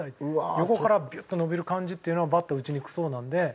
横からビュッと伸びる感じっていうのはバッター打ちにくそうなので。